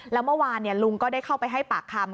แล้วเมื่อวานลุงก็ได้เข้าไปให้ปากคำ